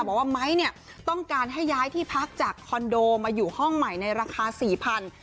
บอกว่าไม้เนี่ยต้องการให้ย้ายที่พักจากคอนโดมาอยู่ห้องใหม่ในราคา๔๐๐บาท